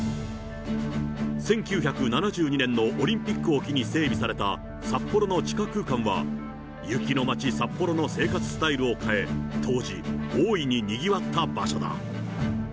１９７２年のオリンピックを機に整備された札幌の地下空間は、雪の街、札幌の生活スタイルを変え、当時、大いににぎわった場所だ。